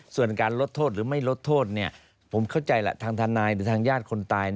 ส่วนการลดโทษหรือไม่ลดโทษผมเข้าใจแหละทางทนายหรือทางญาติคนตาย